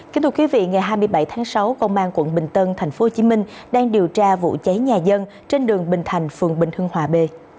kính thưa quý vị ngày hai mươi bảy tháng sáu công an quận bình tân thành phố hồ chí minh đang điều tra vụ cháy nhà dân trên đường bình thành phường bình hưng hòa b